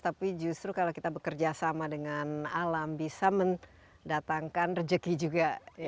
tapi justru kalau kita bekerja sama dengan alam bisa mendatangkan rezeki juga